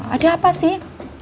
ada apa sih